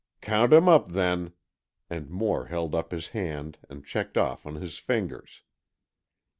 "Count 'em up, then," and Moore held up his hand and checked off on his fingers.